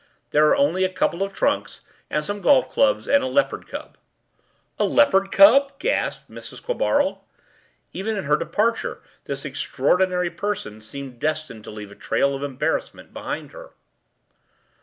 There are only a couple of trunks and some golf clubs and a leopard cub.” “A leopard cub!” gasped Mrs. Quabarl. Even in her departure this extraordinary person seemed destined to leave a trail of embarrassment behind her.